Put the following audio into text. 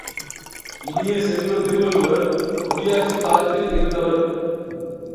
இனிய செல்வ, திருவள்ளுவர் முடியாட்சிக் காலத்தில் இருந்தவர்.